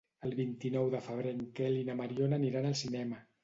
El vint-i-nou de febrer en Quel i na Mariona aniran al cinema.